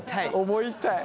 思いたい。